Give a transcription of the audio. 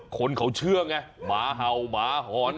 คนเขาเชื่อมาเห่าหอมระหอน